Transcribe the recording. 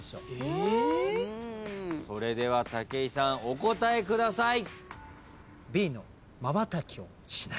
それでは武井さんお答えください。